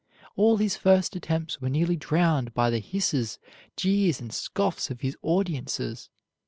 All his first attempts were nearly drowned by the hisses, jeers, and scoffs of his audiences.